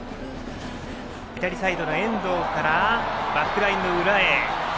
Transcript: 左サイドの遠藤からバックラインの裏へ。